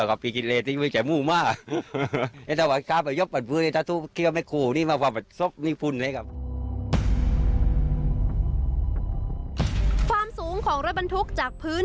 ความสูงของรถบรรทุกจากพื้น